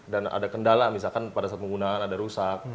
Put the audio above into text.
dan ada kendala misalkan pada saat penggunaan ada rusak